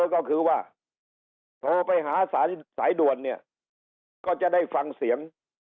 ก็คือว่าโทรไปหาสายด่วนเนี่ยก็จะได้ฟังเสียง